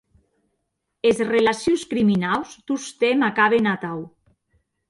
Es relacions criminaus tostemp acaben atau.